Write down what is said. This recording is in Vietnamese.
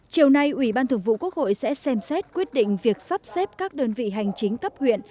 chiều nay ủy ban thường vụ quốc hội sẽ xem xét quyết định việc sắp xếp các đơn vị hành chính cấp huyện